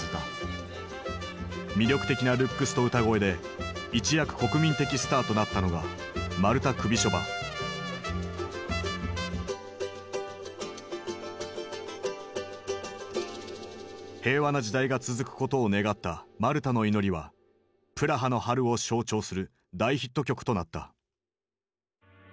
魅力的なルックスと歌声で一躍国民的スターとなったのが平和な時代が続くことを願った「マルタの祈り」は「プラハの春」を象徴する大ヒット曲となった。